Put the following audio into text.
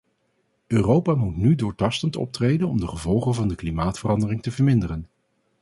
Europa moet nu doortastend optreden om de gevolgen van de klimaatverandering te verminderen.